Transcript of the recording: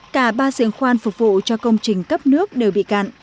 cả ba diễn khoan phục vụ cho công trình cấp nước đều bị cạn